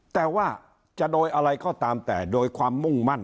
แต่ว่าจะโดยอะไรก็ตามแต่โดยความมุ่งมั่น